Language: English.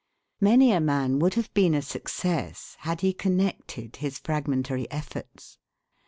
Many a man would have been a success had he connected his fragmentary efforts.